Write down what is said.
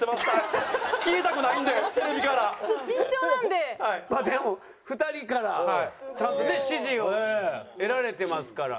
でも２人からちゃんとね支持を得られてますから。